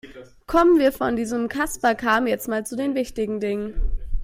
Kommen wir von diesem Kasperkram jetzt mal zu den wichtigen Dingen.